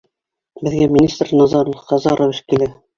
Беҙгә министр Назар Хазарович килә!